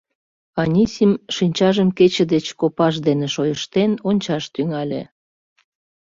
Анисим, шинчажым кече деч копаж дене шойыштен, ончаш тӱҥале.